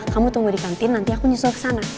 kamu tunggu di kantin nanti aku nyusul kesana